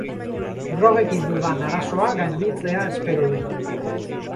Drogekin dudan arazoa gainditzea espero dut.